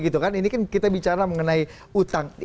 ini kan kita bicara mengenai utang